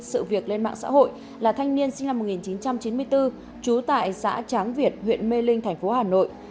sự việc lên mạng xã hội là thanh niên sinh năm một nghìn chín trăm chín mươi bốn trú tại xã tráng việt huyện mê linh thành phố hà nội